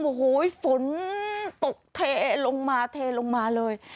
โอ้โหฝนตกเทลงมาเทลงมาเลย